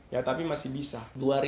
ya tapi masih bisa